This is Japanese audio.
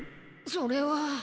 それは。